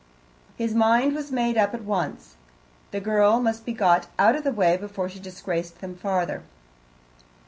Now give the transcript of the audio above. His mind was made up at once: the girl must be got out of the way before she disgraced them farther.